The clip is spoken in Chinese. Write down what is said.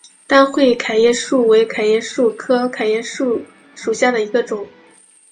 单穗桤叶树为桤叶树科桤叶树属下的一个种。